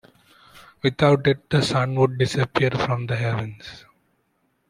Without it, the sun would disappear from the heavens.